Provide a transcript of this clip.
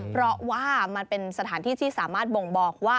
เพราะว่ามันเป็นสถานที่ที่สามารถบ่งบอกว่า